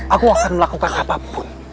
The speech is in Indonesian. aku akan melakukan apapun